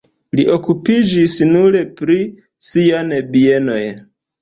Li okupiĝis nur pri sian bienoj.